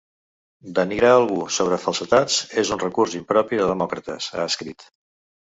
Denigrar algú sobre falsedats és un recurs impropi de demòcrates, ha escrit.